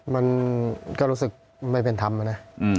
มันก็รู้สึกไม่เป็นธรรมนะ